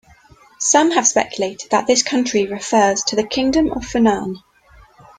Some have speculated that this country refers to the Kingdom of Funan.